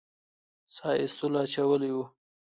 ساه ایستلو اچولي وو.